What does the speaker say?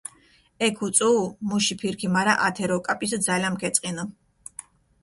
ექ უწუუ მუში ფირქი, მარა ათე როკაპისჷ ძალამქჷ ეწყინჷ.